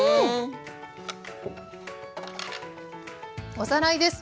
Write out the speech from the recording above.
おさらいです。